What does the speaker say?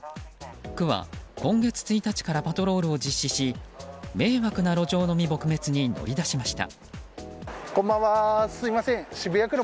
区は、今月１日からパトロールを実施し迷惑な路上飲み撲滅に乗り出しました。